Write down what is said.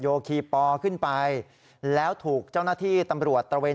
คีปอขึ้นไปแล้วถูกเจ้าหน้าที่ตำรวจตระเวน